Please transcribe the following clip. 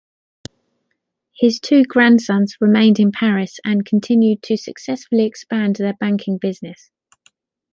His two grandsons remained in Paris and continued to successfully expand their banking business.